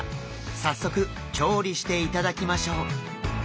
早速調理していただきましょう。